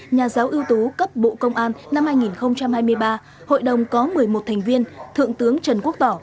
nhà giáo ưu tú cấp bộ công an năm hai nghìn hai mươi ba hội đồng có một mươi một thành viên thượng tướng trần quốc tỏ